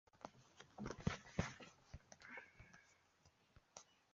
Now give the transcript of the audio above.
当时认为是李承晚或金九指挥的。